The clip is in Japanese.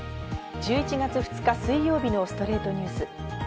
１１月２日、水曜日の『ストレイトニュース』。